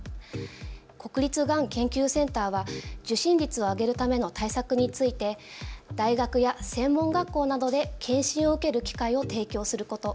国立がん研究センターは受診率を上げるための対策について大学や専門学校などで検診を受ける機会を提供すること。